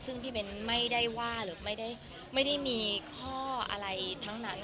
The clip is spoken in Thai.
ซึ่งที่เบ้นไม่ได้ว่าหรือไม่ได้มีข้ออะไรทั้งนั้น